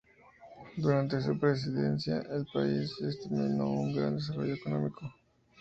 Durante su presidencia, el país experimentó un gran desarrollo económico.